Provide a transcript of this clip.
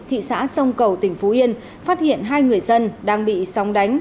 thị xã sông cầu tỉnh phú yên phát hiện hai người dân đang bị sóng đánh